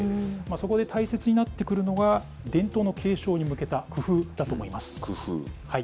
そこで大切になってくるのが、伝統の継承に向けた工夫だと思います。